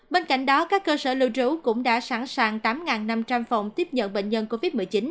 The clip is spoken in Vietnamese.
bên cạnh đó các cơ sở lưu trú cũng đã sẵn sàng tám năm trăm linh phòng tiếp nhận bệnh nhân covid một mươi chín